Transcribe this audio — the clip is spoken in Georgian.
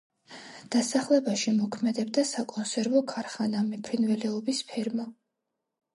დასახლებაში მოქმედებდა საკონსერვო ქარხანა, მეფრინველეობის ფერმა.